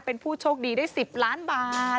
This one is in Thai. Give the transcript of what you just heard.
เป็นผู้โชคดีได้๑๐ล้านบาท